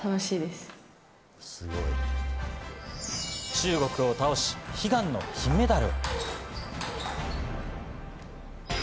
中国を倒し悲願の金メダル。